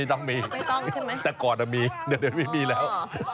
ไม่ต้องมีแต่ก่อนมีเดี๋ยวไม่มีแล้ว